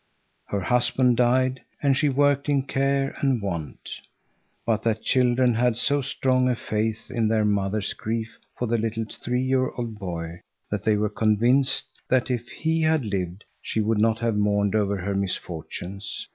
Her husband died and she worked in care and want. But the children had so strong a faith in their mother's grief for the little three year old boy, that they were convinced that if he had lived she would not have mourned over her misfortunes.